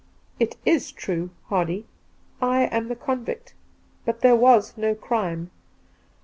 It is true, Hardy. I am the convict, but there was no crime.